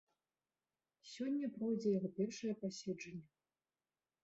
Сёння пройдзе яго першае паседжанне.